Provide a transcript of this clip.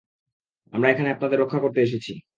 আমরা এখানে আপনাদের রক্ষা করতে আছি।